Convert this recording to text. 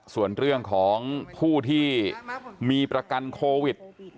ส่วนเรื่องของผู้ที่มีประกันโควิด